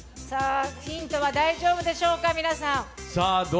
ヒントは大丈夫でしょうか皆さん。